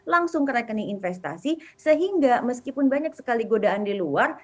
langsung ke rekening investasi sehingga meskipun banyak sekali godaan di luar